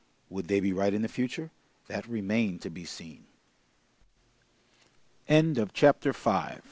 Would they be right in the future? That remained to be seen. Chapter 6 Howeve